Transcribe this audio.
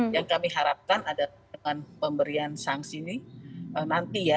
yang kami harapkan adalah dengan pemberian sanksi ini nanti ya